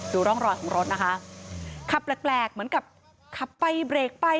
ดูร่องรอยของรถนะคะขับแปลกเหมือนกับขับไปเบรกไป